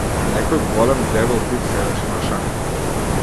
Некој голем, дебел тип седеше на шанкот.